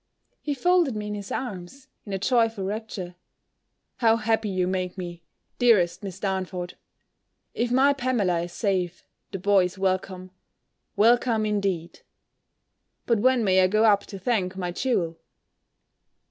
He folded me in his arms, in a joyful rapture: "How happy you make me, dearest Miss Darnford! If my Pamela is safe, the boy is welcome, welcome, indeed! But when may I go up to thank my jewel?"